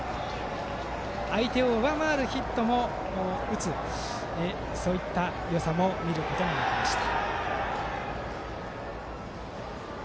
相手を上回るヒットも打つそういったよさも見ることができました。